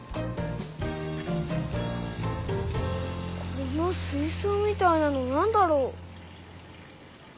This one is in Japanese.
この水そうみたいなのなんだろう？